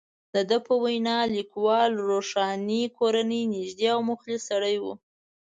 د ده په وینا، لیکوال د روښاني کورنۍ نږدې او مخلص سړی وو.